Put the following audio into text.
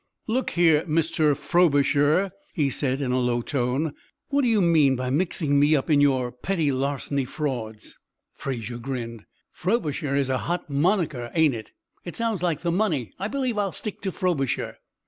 "Look here, Mr. 'Frobisher,'" he said, in a low tone, "what do you mean by mixing me up in your petty larceny frauds?" Fraser grinned. "'Frobisher' is hot monaker, ain't it? It sounds like the money. I believe I'll stick to 'Frobisher.'"